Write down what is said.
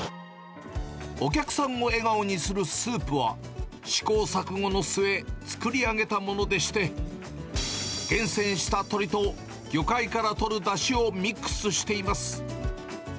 お客さんを笑顔にするスープは、試行錯誤の末、作り上げたものでして、厳選した鶏と魚介からとるだしをミックスしています。